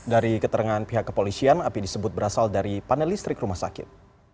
dari keterangan pihak kepolisian api disebut berasal dari panel listrik rumah sakit